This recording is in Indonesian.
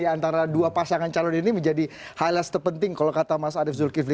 antara dua pasangan calon ini menjadi highlight terpenting kalau kata mas arief zulkifli